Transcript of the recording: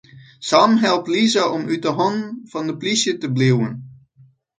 Sam helpt Lisa om út 'e hannen fan de plysje te bliuwen.